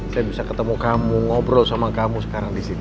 saya bisa ketemu kamu ngobrol sama kamu sekarang di sini